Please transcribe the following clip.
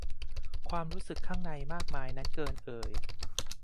ความรู้สึกข้างในมากมายนั้นเกินเอ่ย